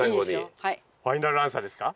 ファイナルアンサーですか？